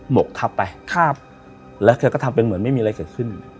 หกทับไปแล้วเธอก็ทำเป็นเหมือนไม่มีอะไรเกิดขึ้น